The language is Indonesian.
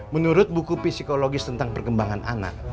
menurut buku psikologis tentang perkembangan anak